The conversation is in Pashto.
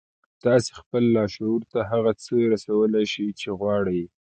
تاسې خپل لاشعور ته هغه څه رسولای شئ چې غواړئ